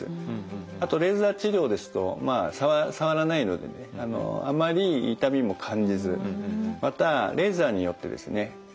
あとレーザー治療ですとまあ触らないのでねあまり痛みも感じずまたレーザーによってですね